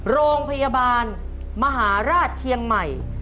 โรงพยาบาลมหาราชเชียงใหม่